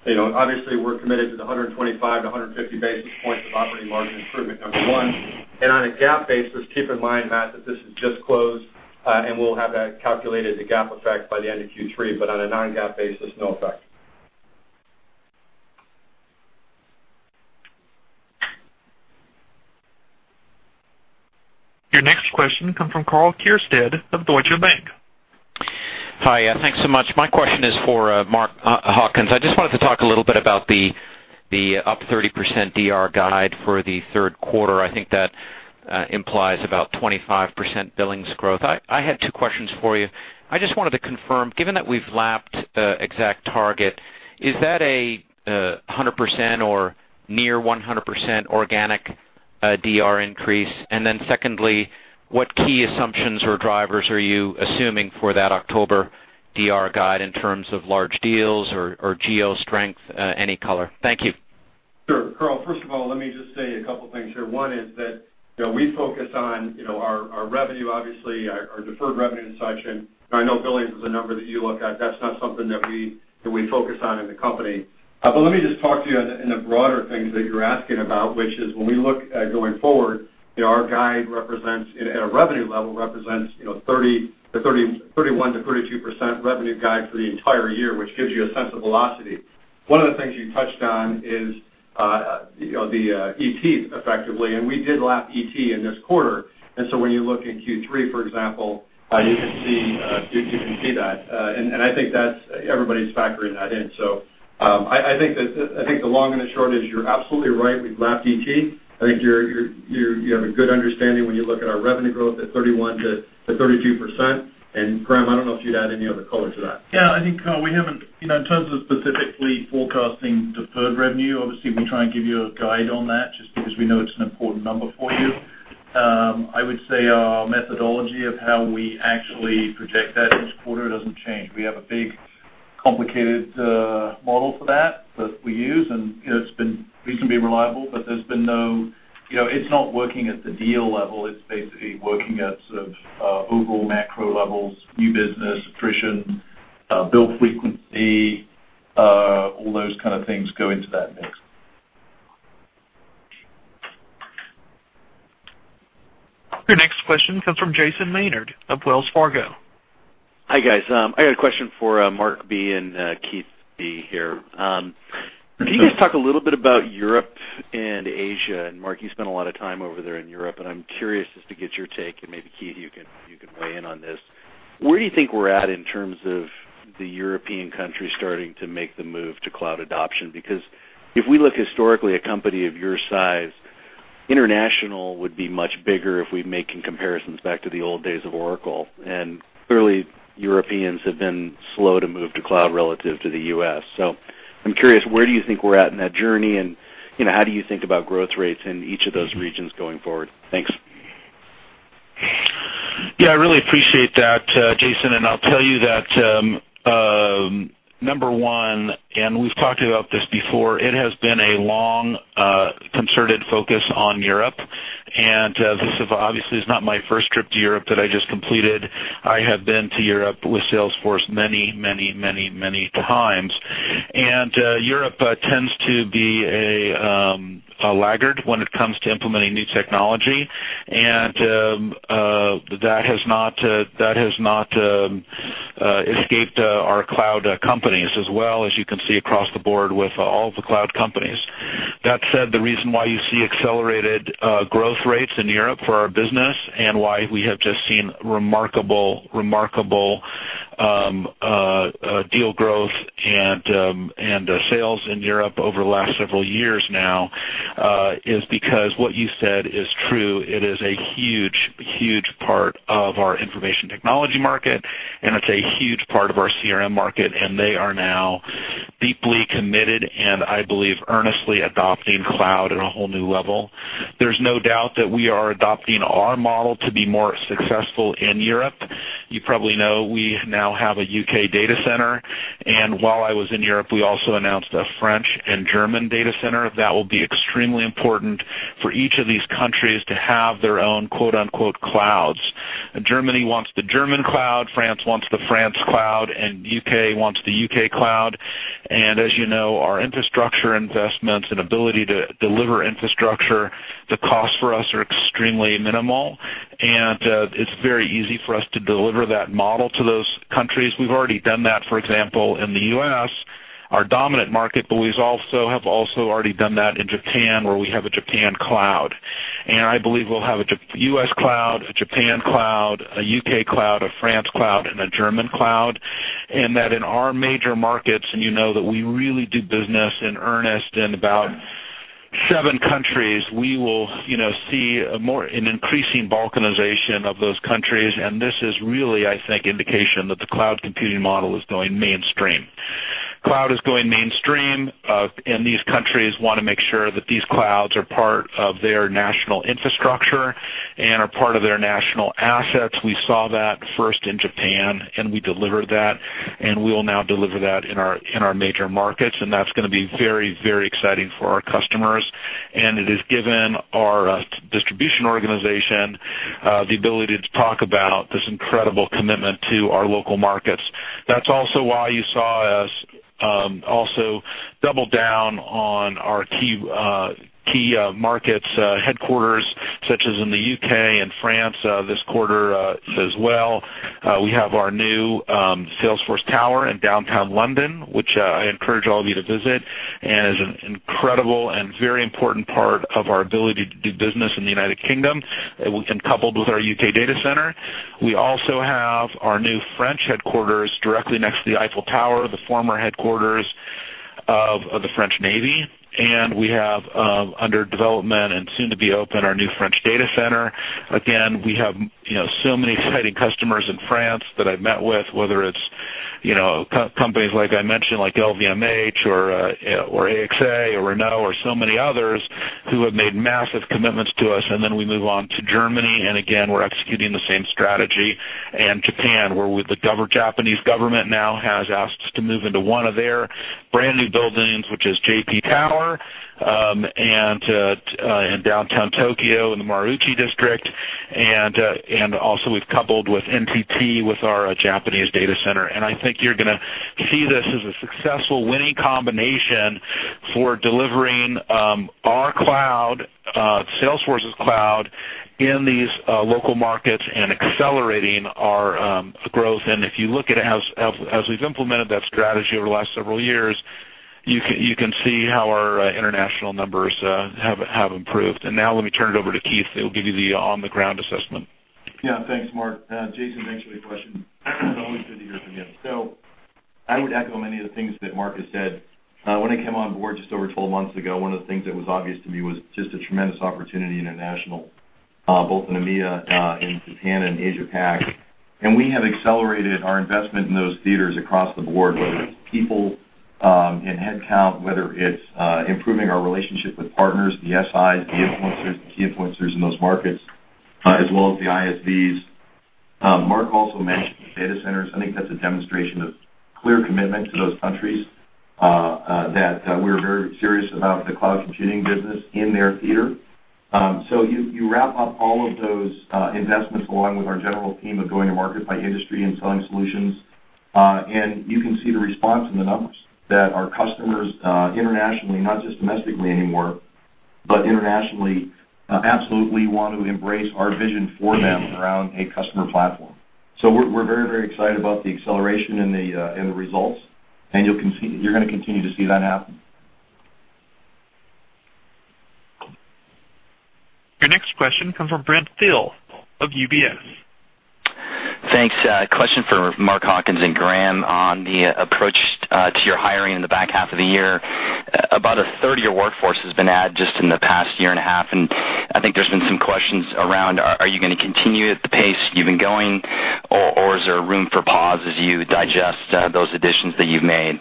Obviously, we're committed to the 125-150 basis points of operating margin improvement, number 1. On a GAAP basis, keep in mind, Matt, that this has just closed, and we'll have that calculated, the GAAP effect, by the end of Q3, but on a non-GAAP basis, no effect. Your next question comes from Karl Keirstead of Deutsche Bank. Hi. Thanks so much. My question is for Mark Hawkins. I just wanted to talk a little bit about the up 30% DR guide for the third quarter. I think that implies about 25% billings growth. I had two questions for you. I just wanted to confirm, given that we've lapped ExactTarget, is that a 100% or near 100% organic DR increase? Secondly, what key assumptions or drivers are you assuming for that October DR guide in terms of large deals or geo strength? Any color. Thank you. Sure. Karl, first of all, let me just say a couple things here. One is that we focus on our revenue, obviously, our deferred revenue section, but I know billings is a number that you look at. That's not something that we focus on in the company. Let me just talk to you in the broader things that you're asking about, which is when we look at going forward, our guide, at a revenue level, represents 31% to 32% revenue guide for the entire year, which gives you a sense of velocity. One of the things you touched on is the ET, effectively, and we did lap ET in this quarter. When you look in Q3, for example, you can see that. I think everybody's factoring that in. I think the long and the short is you're absolutely right. We've lapped ET. I think you have a good understanding when you look at our revenue growth at 31% to 32%. Graham, I don't know if you'd add any other color to that. Yeah, I think, Karl, in terms of specifically forecasting deferred revenue, obviously, we try and give you a guide on that just because we know it's an important number for you. I would say our methodology of how we actually project that each quarter doesn't change. We have a big, complicated model for that we use, and it's been reasonably reliable, but it's not working at the deal level. It's basically working at sort of overall macro levels, new business, attrition, bill frequency, all those kind of things go into that mix. Your next question comes from Jason Maynard of Wells Fargo. Hi, guys. I got a question for Mark B and Keith B here. Can you guys talk a little bit about Europe and Asia? Mark, you spent a lot of time over there in Europe, and I'm curious just to get your take, and maybe, Keith, you can weigh in on this. Where do you think we're at in terms of the European countries starting to make the move to cloud adoption? If we look historically, a company of your size, international would be much bigger if we're making comparisons back to the old days of Oracle. Clearly, Europeans have been slow to move to cloud relative to the U.S. I'm curious, where do you think we're at in that journey? How do you think about growth rates in each of those regions going forward? Thanks. Yeah, I really appreciate that, Jason. I'll tell you that, number one, and we've talked about this before, it has been a long, concerted focus on Europe. This obviously is not my first trip to Europe that I just completed. I have been to Europe with Salesforce many times. Europe tends to be a laggard when it comes to implementing new technology. That has not escaped our cloud companies as well, as you can see across the board with all of the cloud companies. That said, the reason why you see accelerated growth rates in Europe for our business and why we have just seen remarkable deal growth and sales in Europe over the last several years now, is because what you said is true. It is a huge part of our information technology market, and it's a huge part of our CRM market, and they are now deeply committed and, I believe, earnestly adopting cloud at a whole new level. There's no doubt that we are adopting our model to be more successful in Europe. You probably know we now have a U.K. data center. While I was in Europe, we also announced a French and German data center. That will be extremely important for each of these countries to have their own, quote-unquote, "clouds." Germany wants the German cloud, France wants the France cloud, and U.K. wants the U.K. cloud. As you know, our infrastructure investments and ability to deliver infrastructure, the costs for us are extremely minimal. It's very easy for us to deliver that model to those countries. We've already done that, for example, in the U.S., our dominant market, but we have also already done that in Japan, where we have a Japan cloud. I believe we'll have a U.S. cloud, a Japan cloud, a U.K. cloud, a France cloud, and a German cloud. That in our major markets, and you know that we really do business in earnest in about seven countries, we will see an increasing balkanization of those countries. This is really, I think, indication that the cloud computing model is going mainstream. Cloud is going mainstream, and these countries want to make sure that these clouds are part of their national infrastructure and are part of their national assets. We saw that first in Japan, and we delivered that, and we will now deliver that in our major markets, and that's going to be very exciting for our customers. It has given our distribution organization the ability to talk about this incredible commitment to our local markets. That's also why you saw us also double down on our key markets headquarters, such as in the U.K. and France this quarter as well. We have our new Salesforce Tower in downtown London, which I encourage all of you to visit, and is an incredible and very important part of our ability to do business in the United Kingdom, coupled with our U.K. data center. We also have our new French headquarters directly next to the Eiffel Tower, the former headquarters of the French Navy, and we have, under development and soon to be open, our new French data center. Again, we have so many exciting customers in France that I've met with, whether it's companies like I mentioned, like LVMH or AXA or Renault or so many others who have made massive commitments to us. We move on to Germany, and again, we're executing the same strategy. Japan, where the Japanese government now has asked us to move into one of their brand-new buildings, which is JP Tower, in downtown Tokyo in the Marunouchi district. We've coupled with NTT with our Japanese data center. I think you're going to see this as a successful winning combination for delivering our cloud, Salesforce's cloud, in these local markets and accelerating our growth. If you look at it as we've implemented that strategy over the last several years, you can see how our international numbers have improved. Let me turn it over to Keith, who will give you the on-the-ground assessment. Yeah. Thanks, Marc. Jason, thanks for the question. It's always good to hear from you. I would echo many of the things that Marc has said. When I came on board just over 12 months ago, one of the things that was obvious to me was just a tremendous opportunity international, both in EMEA, in Japan, and Asia Pac. We have accelerated our investment in those theaters across the board, whether it's people in headcount, whether it's improving our relationship with partners, the SIs, the influencers, the key influencers in those markets, as well as the ISVs. Marc also mentioned the data centers. I think that's a demonstration of clear commitment to those countries, that we're very serious about the cloud computing business in their theater. You wrap up all of those investments along with our general theme of going to market by industry and selling solutions, you can see the response in the numbers. That our customers internationally, not just domestically anymore, but internationally, absolutely want to embrace our vision for them around a customer platform. We're very excited about the acceleration and the results, and you're going to continue to see that happen. Your next question comes from Brent Thill of UBS. Thanks. Question for Marc Hawkins and Graham on the approach to your hiring in the back half of the year. About a third of your workforce has been added just in the past year and a half, I think there's been some questions around, are you going to continue at the pace you've been going, or is there room for pause as you digest those additions that you've made?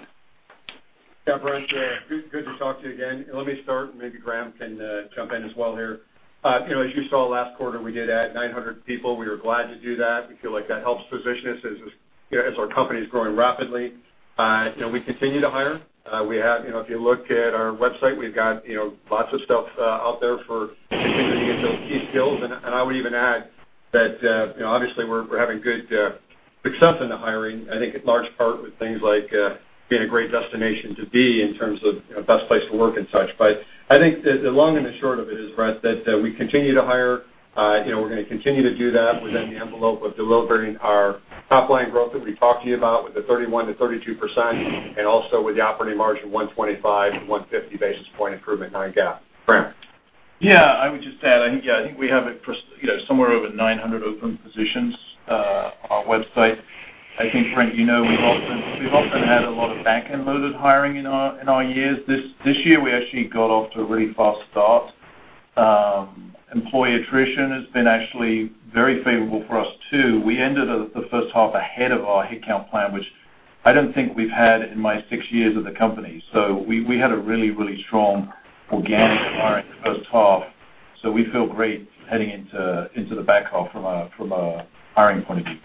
Yeah, Brent, good to talk to you again. Let me start, maybe Graham can jump in as well here. As you saw last quarter, we did add 900 people. We were glad to do that. We feel like that helps position us as our company is growing rapidly. We continue to hire. If you look at our website, we've got lots of stuff out there for continuing to get those key skills. I would even add that obviously we're having good success in the hiring, I think in large part with things like being a great destination to be in terms of best place to work and such. I think the long and the short of it is, Brent, that we continue to hire. We're going to continue to do that within the envelope of delivering our top-line growth that we talked to you about with the 31%-32%, also with the operating margin 125-150 basis point improvement, non-GAAP. Graham? Yeah, I would just add, I think we have somewhere over 900 open positions on our website. I think, Brent, you know we've often had a lot of back-end loaded hiring in our years. This year, we actually got off to a really fast start. Employee attrition has been actually very favorable for us, too. We ended the first half ahead of our headcount plan, which I don't think we've had in my six years at the company. We had a really strong organic hiring the first half. We feel great heading into the back half from a hiring point of view.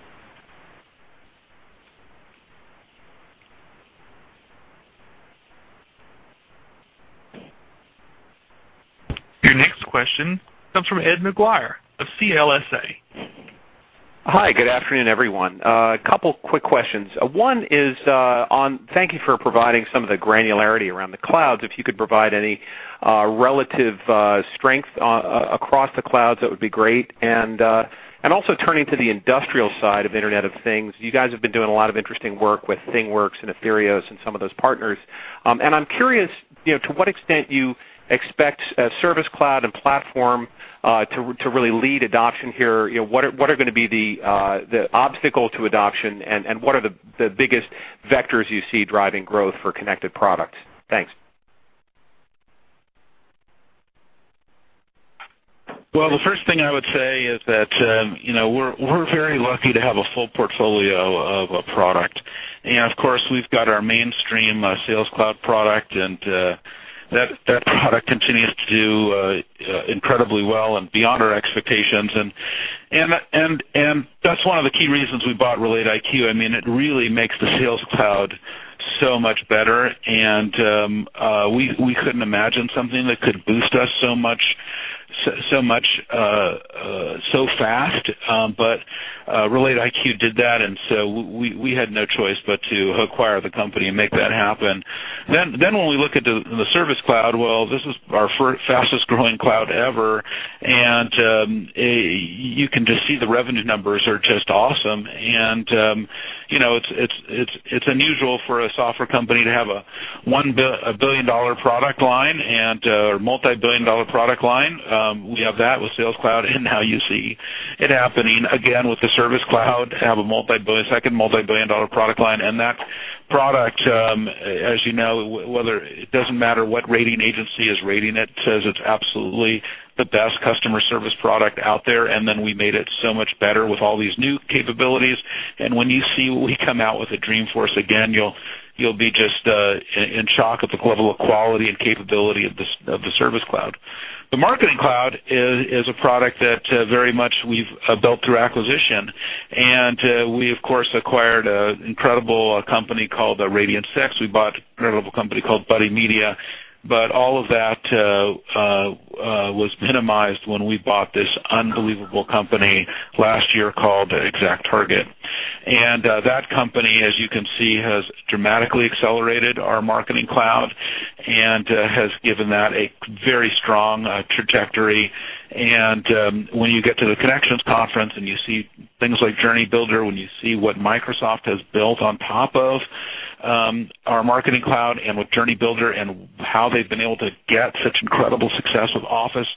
Your next question comes from Edward McGuire of CLSA. Hi. Good afternoon, everyone. A couple quick questions. One is on thank you for providing some of the granularity around the clouds. If you could provide any relative strength across the clouds, that would be great. Also turning to the industrial side of Internet of Things, you guys have been doing a lot of interesting work with ThingWorx and Etherios and some of those partners. I'm curious to what extent you expect Service Cloud and Platform to really lead adoption here. What are going to be the obstacle to adoption, and what are the biggest vectors you see driving growth for connected products? Thanks. Well, the first thing I would say is that we're very lucky to have a full portfolio of a product. Of course, we've got our mainstream Sales Cloud product, and that product continues to do incredibly well and beyond our expectations. That's one of the key reasons we bought RelateIQ. It really makes the Sales Cloud so much better, and we couldn't imagine something that could boost us so much so fast. RelateIQ did that, we had no choice but to acquire the company and make that happen. When we look at the Service Cloud, well, this is our fastest growing cloud ever, and you can just see the revenue numbers are just awesome. It's unusual for a software company to have a billion-dollar product line or multibillion-dollar product line. We have that with Sales Cloud, and now you see it happening again with the Service Cloud, have a second multibillion-dollar product line in that. Product, as you know, it doesn't matter what rating agency is rating it, says it's absolutely the best customer service product out there, we made it so much better with all these new capabilities. When you see we come out with a Dreamforce again, you'll be just in shock at the level of quality and capability of the Service Cloud. The Marketing Cloud is a product that very much we've built through acquisition, we, of course, acquired an incredible company called Radian6. We bought an incredible company called Buddy Media, all of that was minimized when we bought this unbelievable company last year called ExactTarget. That company, as you can see, has dramatically accelerated our Marketing Cloud and has given that a very strong trajectory. When you get to the Connections conference and you see things like Journey Builder, when you see what Microsoft has built on top of our Marketing Cloud and with Journey Builder and how they've been able to get such incredible success with Office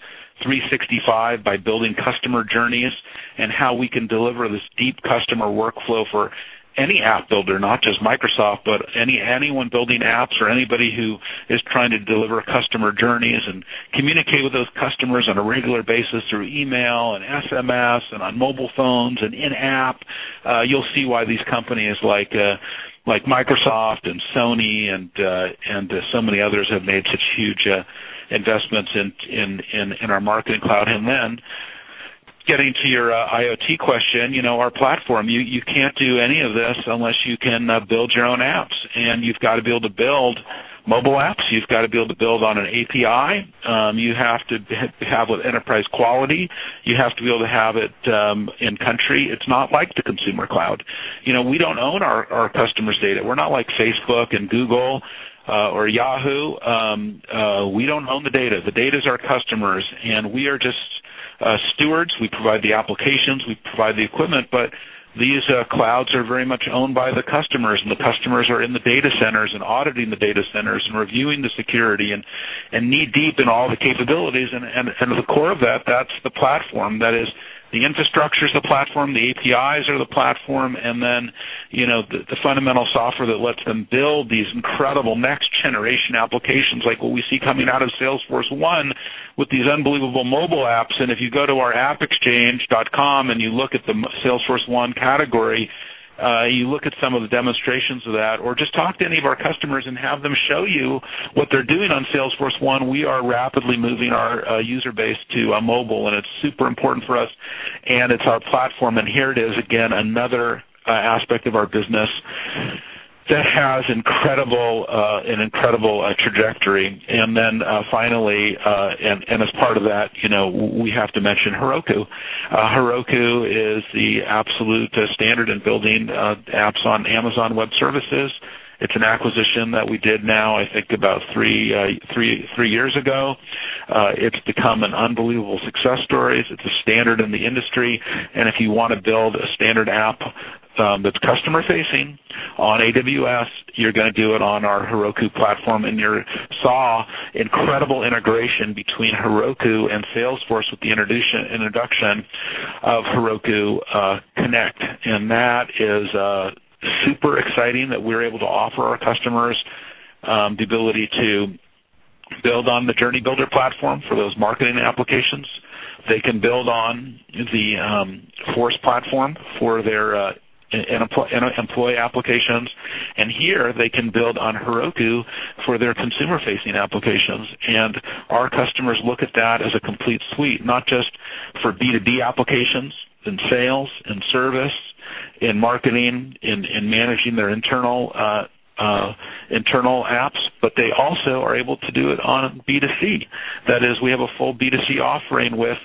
365 by building customer journeys, and how we can deliver this deep customer workflow for any app builder, not just Microsoft, but anyone building apps or anybody who is trying to deliver customer journeys and communicate with those customers on a regular basis through email and SMS and on mobile phones and in-app, you'll see why these companies like Microsoft and Sony and so many others have made such huge investments in our Marketing Cloud. Getting to your IoT question, our platform, you can't do any of this unless you can build your own apps. You've got to be able to build mobile apps. You've got to be able to build on an API. You have to have enterprise quality. You have to be able to have it in country. It's not like the consumer cloud. We don't own our customers' data. We're not like Facebook and Google, or Yahoo. We don't own the data. The data is our customers, and we are just stewards. We provide the applications, we provide the equipment, but these clouds are very much owned by the customers, and the customers are in the data centers and auditing the data centers and reviewing the security and knee-deep in all the capabilities. The core of that's the platform. That is, the infrastructure is the platform, the APIs are the platform, then the fundamental software that lets them build these incredible next-generation applications like what we see coming out of Salesforce1 with these unbelievable mobile apps. If you go to our appexchange.com and you look at the Salesforce1 category, you look at some of the demonstrations of that, or just talk to any of our customers and have them show you what they're doing on Salesforce1, we are rapidly moving our user base to mobile, and it's super important for us, and it's our platform. Here it is again, another aspect of our business that has an incredible trajectory. Then finally, as part of that, we have to mention Heroku. Heroku is the absolute standard in building apps on Amazon Web Services. It's an acquisition that we did now, I think about three years ago. It's become an unbelievable success story. It's a standard in the industry. If you want to build a standard app that's customer-facing on AWS, you're going to do it on our Heroku platform. You saw incredible integration between Heroku and Salesforce with the introduction of Heroku Connect. That is super exciting that we're able to offer our customers the ability to build on the Journey Builder platform for those marketing applications. They can build on the Force platform for their employee applications. Here they can build on Heroku for their consumer-facing applications. Our customers look at that as a complete suite, not just for B2B applications in sales and service, in marketing, in managing their internal apps, but they also are able to do it on B2C. That is, we have a full B2C offering with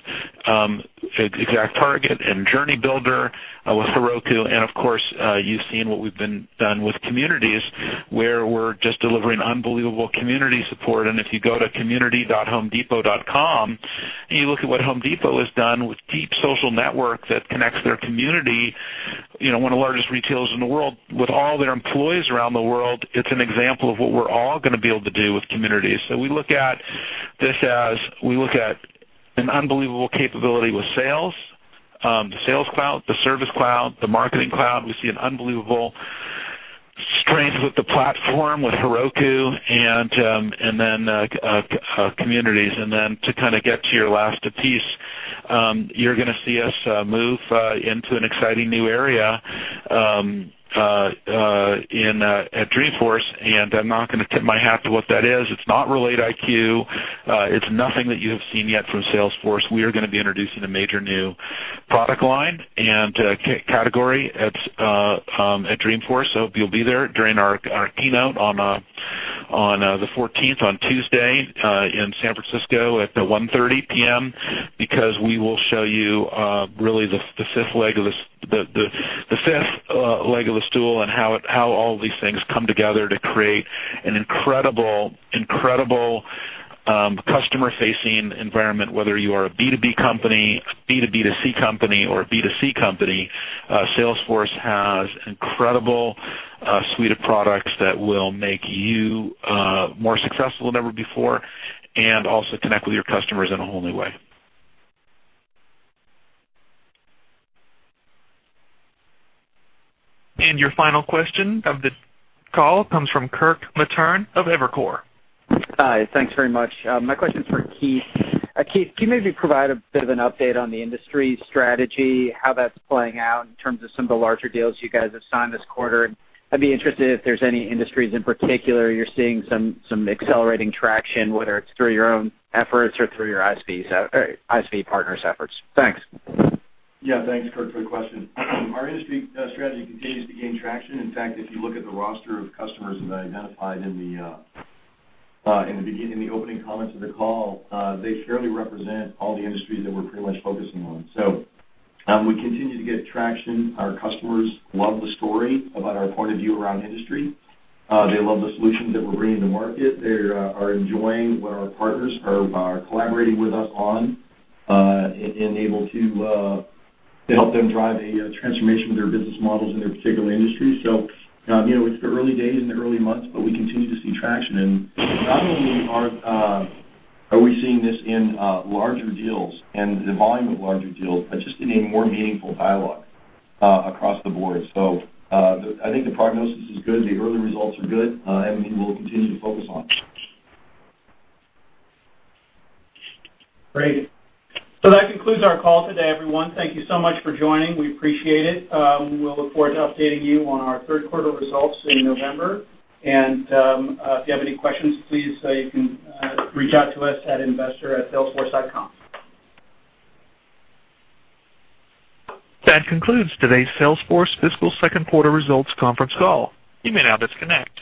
ExactTarget and Journey Builder with Heroku, of course, you've seen what we've done with Communities, where we're just delivering unbelievable community support. If you go to community.homedepot.com and you look at what Home Depot has done with deep social network that connects their community, one of the largest retailers in the world, with all their employees around the world, it's an example of what we're all going to be able to do with Communities. We look at this as we look at an unbelievable capability with sales, the Sales Cloud, the Service Cloud, the Marketing Cloud. We see an unbelievable strength with the platform, with Heroku, then Communities. To kind of get to your last piece, you're going to see us move into an exciting new area at Dreamforce, I'm not going to tip my hat to what that is. It's not RelateIQ. It's nothing that you have seen yet from Salesforce. We are going to be introducing a major new product line and category at Dreamforce. Hope you'll be there during our keynote on the 14th, on Tuesday in San Francisco at 1:30 P.M., because we will show you really the fifth leg of the stool and how all these things come together to create an incredible customer-facing environment. Whether you are a B2B company, B2B2C company, or a B2C company, Salesforce has incredible suite of products that will make you more successful than ever before and also connect with your customers in a whole new way. Your final question of the call comes from Kirk Materne of Evercore. Hi. Thanks very much. My question is for Keith. Keith, can you maybe provide a bit of an update on the industry strategy, how that's playing out in terms of some of the larger deals you guys have signed this quarter? I'd be interested if there's any industries in particular you're seeing some accelerating traction, whether it's through your own efforts or through your ISV partners' efforts. Thanks. Yeah. Thanks, Kirk, for the question. Our industry strategy continues to gain traction. In fact, if you look at the roster of customers that I identified in the opening comments of the call, they fairly represent all the industries that we're pretty much focusing on. We continue to get traction. Our customers love the story about our point of view around industry. They love the solutions that we're bringing to market. They are enjoying what our partners are collaborating with us on, and able to help them drive a transformation of their business models in their particular industry. It's the early days and the early months, but we continue to see traction. Not only are we seeing this in larger deals and the volume of larger deals, but just in a more meaningful dialogue across the board. I think the prognosis is good. The early results are good. We will continue to focus on it. Great. That concludes our call today, everyone. Thank you so much for joining. We appreciate it. We'll look forward to updating you on our third quarter results in November. If you have any questions, please, you can reach out to us at investor@salesforce.com. That concludes today's Salesforce Fiscal Second Quarter Results Conference Call. You may now disconnect.